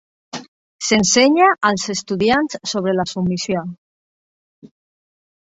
S'ensenya als estudiants sobre la submissió.